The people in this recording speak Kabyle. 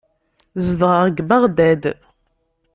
Zedɣeɣ deg Beɣdad.